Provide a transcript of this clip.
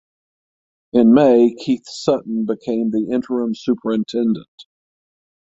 In May Keith Sutton became the interim superintendent.